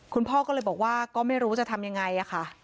คุณพ่อก็เลยบอกว่าก็ไม่รู้จะทำยังไงค่ะ